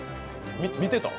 見てた？